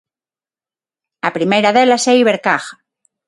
A primeira delas é Ibercaja.